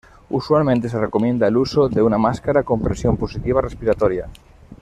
Usualmente se recomienda el uso de una máscara con presión positiva respiratoria.